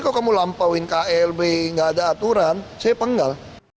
kalau kamu lampauin klb nggak ada aturan saya penggal